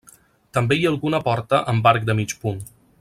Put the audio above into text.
També hi ha alguna porta amb arc de mig punt.